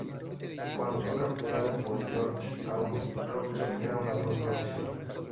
Cuando fue capturado por George Augustus Robinson era un "ladrón profesional".